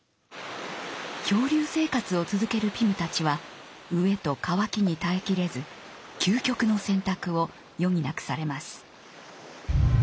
漂流生活を続けるピムたちは飢えと渇きに耐えきれず「究極の選択」を余儀なくされます。